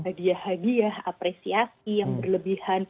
hadiah hadiah apresiasi yang berlebihan